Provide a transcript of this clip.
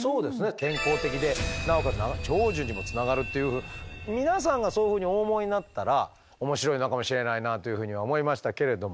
健康的でなおかつ長寿にもつながるっていう皆さんがそういうふうにお思いになったら面白いのかもしれないなというふうには思いましたけれども。